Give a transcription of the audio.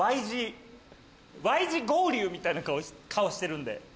Ｙ字合流みたいな顔してるんで。